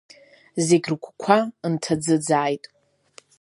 Зегь рыгәқәа нҭаӡыӡааит.